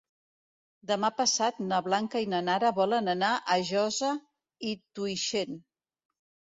Demà passat na Blanca i na Nara volen anar a Josa i Tuixén.